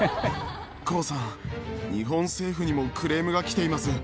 康さん、日本政府にもクレームが来ています。